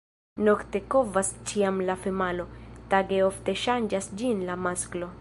Nokte kovas ĉiam la femalo, tage ofte ŝanĝas ĝin la masklo.